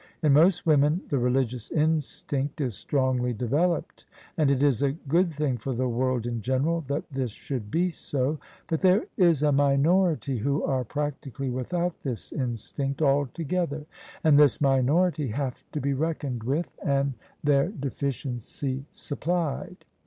In most women the religious instinct is strongly developed: and it is a good thing for the world in general that this should be so. But there is a minority who are practically without this instinct altogether : and this minority have to be reckoned with, and [ I"] OF ISABEL CARNABY their deficienqr supplied.